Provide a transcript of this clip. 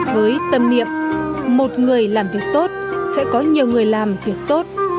với tâm niệm một người làm việc tốt sẽ có nhiều người làm việc tốt